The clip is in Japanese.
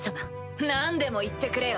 何でも言ってくれよ。